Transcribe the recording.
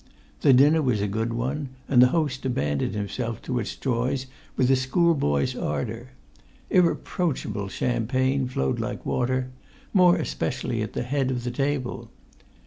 The dinner was a good one, and the host abandoned himself to its joys with a schoolboy's ardour. Irreproachable champagne flowed like water, more especially at the head of the table.